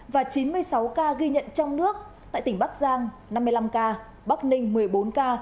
và chín mươi sáu ca ghi nhận trong nước tại tỉnh bắc giang năm mươi năm ca bắc ninh một mươi bốn ca